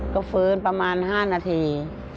ก็ฟื้นประมาณ๕นาที